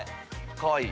かわいい。